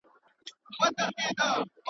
دوی مو د کلي د ډیوې اثر په کاڼو ولي.